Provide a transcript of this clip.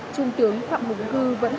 trung tướng phạm hùng cư vẫn không ngủ